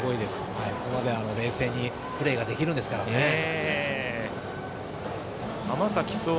ここまで冷静にプレーができるんですからすごいですよね。